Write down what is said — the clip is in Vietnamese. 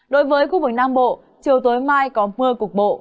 đối với khu vực nam bộ chiều tối mai có mưa cục bộ